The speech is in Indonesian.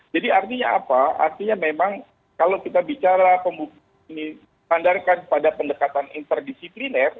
jadi artinya apa artinya memang kalau kita bicara pandarkan pada pendekatan interdisipliner